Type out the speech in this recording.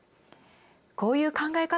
こういう考え方